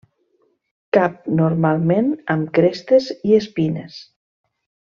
Cap normalment amb crestes i espines.